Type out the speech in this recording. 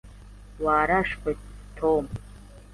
Warashwe, Tom.